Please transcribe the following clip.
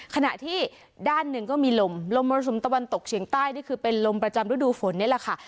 ขณะที่ด้านหนึ่งก็มีลมลมมรสุมตะวันตกเฉียงใต้นี่คือเป็นลมประจำฤดูฝนนี่แหละค่ะ